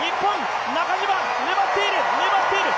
中島、粘っている！